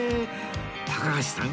高橋さん